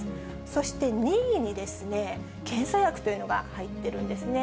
そして、２位に検査薬というのが入ってるんですね。